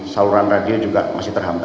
saluran radio juga masih terhambat